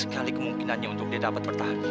kemungkinannya dia tidak akan bertahan hidup